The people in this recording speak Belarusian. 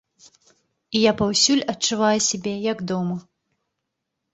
І я паўсюль адчуваю сябе, як дома.